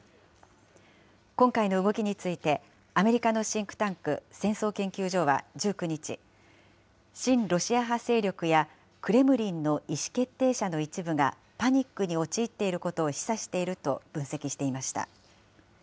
今回の動きについて、アメリカのシンクタンク、戦争研究所は１９日、親ロシア派勢力や、クレムリンの意思決定者の一部がパニックに陥っていることを示唆していると分析していました。